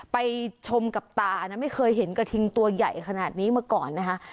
ไปชมกับตานะไม่เคยเห็นกระทิงตัวใหญ่ขนาดนี้มาก่อนนะคะ